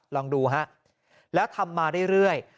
ลองดูฮะแล้วทำมาเรื่อย